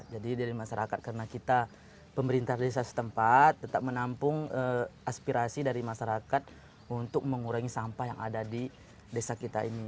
jadi dari masyarakat karena kita pemerintah desa setempat tetap menampung aspirasi dari masyarakat untuk mengurangi sampah yang ada di desa kita ini